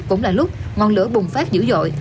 cũng là lúc ngọn lửa bùng phát dữ dội